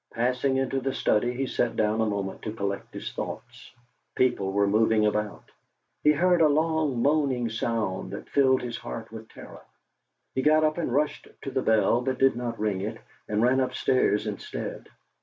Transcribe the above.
Passing into the study, he sat down a moment to collect his thoughts. People were moving above; he heard a long moaning sound that filled his heart with terror. He got up and rushed to the bell, but did not ring it, and ran upstairs instead.